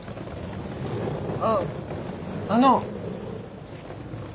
あっあの。